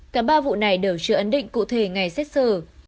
cả ba vụ này đều chưa ấn định cụ thể ngày xét xử